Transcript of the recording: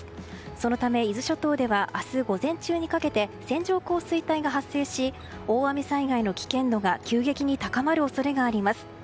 そのため、伊豆諸島では明日午前中にかけて線状降水帯が発生し大雨災害の危険度が急激に高まる恐れがあります。